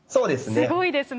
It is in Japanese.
すごいですね。